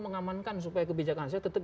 mengamankan supaya kebijakan saya tetap